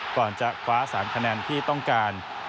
ก่อนจะคว้า๓คะแนนที่ต้องการ